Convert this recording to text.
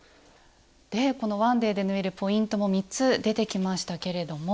１ｄａｙで縫えるポイントも３つ出てきましたけれども。